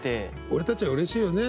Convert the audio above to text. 俺たちはうれしいよね